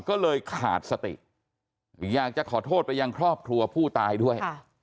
ก็เลยขาดสติอยากจะขอโทษไปยังครอบครัวผู้ตายด้วย